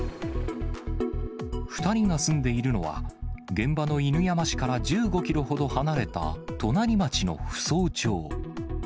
２人が住んでいるのは、現場の犬山市から１５キロほど離れた隣町の扶桑町。